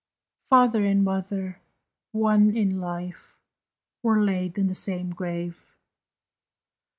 Father and mother one in life Were laid in the same grave.